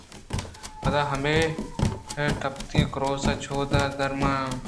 پدا ہما ٹپّتگیں کُرُوس چُوداں درآہان